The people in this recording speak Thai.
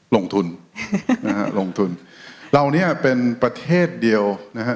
ลงทุนนะฮะลงทุนเหล่านี้เป็นประเทศเดียวนะฮะ